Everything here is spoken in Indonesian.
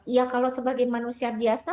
ya kalau sebagai manusia biasa